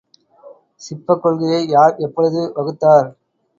சிப்பக் கொள்கையை யார் எப்பொழுது வகுத்தார்?